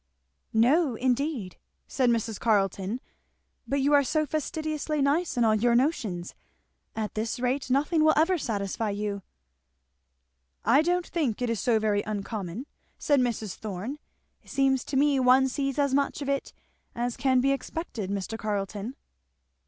"No indeed," said Mrs. Carleton; "but you are so fastidiously nice in all your notions! at this rate nothing will ever satisfy you." "I don't think it is so very uncommon," said Mrs. Thorn. "It seems to me one sees as much of it as can be expected, Mr. Carleton."